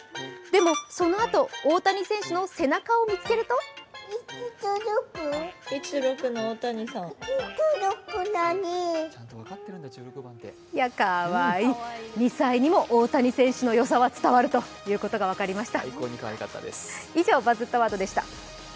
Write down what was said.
でもそのあと大谷選手の背中を見つけるとかわいい、２歳にも大谷選手のすばらしさは伝わるということでした。